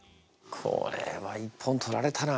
これは一本取られたな。